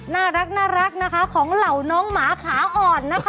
น่ารักนะคะของเหล่าน้องหมาขาอ่อนนะคะ